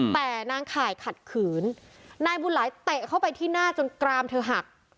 แต่นางข่ายขัดขืนนายบุญหลายเตะเข้าไปที่หน้าจนกรามเธอหัก